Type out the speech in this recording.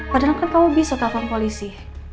padahal kan kamu bisa telepon polisi